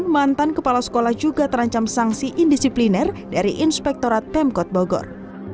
mantan kepala sekolah juga terancam sanksi indisipliner dari inspektorat pemkot bogor